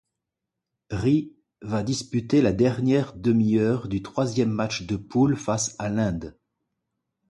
Ri va disputer la dernière demi-heure du troisième match de poule, face à l'Inde.